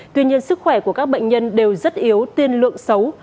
tuy nhiên sức khỏe của các bệnh nhân đều rất yếu tiên lượng xấu